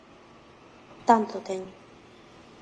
_Tanto ten...